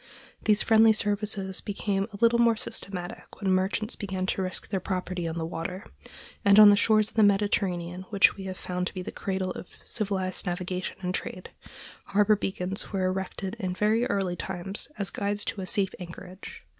These friendly services became a little more systematic when merchants began to risk their property on the water; and on the shores of the Mediterranean, which we have found to be the cradle of civilized navigation and trade, harbor beacons were erected in very early times as guides to a safe anchorage.